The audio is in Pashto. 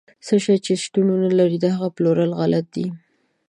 څه شی چې شتون ونه لري، د هغه پلورل غلط دي.